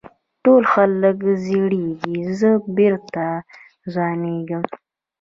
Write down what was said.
ټول خلک زړېږي زه بېرته ځوانېږم.